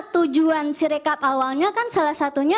tujuan sirekap awalnya kan salah satunya